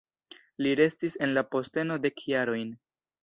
Li restis en la posteno dek jarojn.